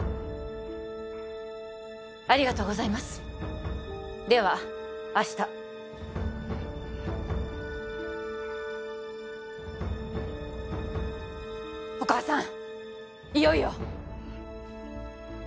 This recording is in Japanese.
ありがとうございますではあしたお母さんいよいよ？